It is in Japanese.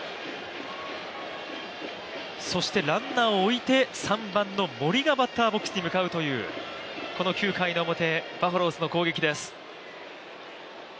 そしてランナーをおいて３番の森がバッターボックスに向かうというこの９回の表、バファローズの攻撃です。